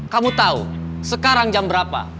kamu tahu sekarang jam berapa